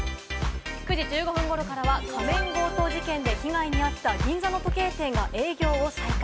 ９時１５分ごろからは仮面強盗事件で被害にあった銀座の時計店が営業を再開。